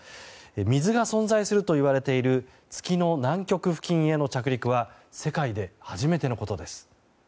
水が存在するといわれている月の南極付近への着陸は世界で初めてのことです。